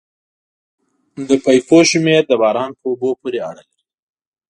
د پایپونو شمېر د باران په اوبو پورې اړه لري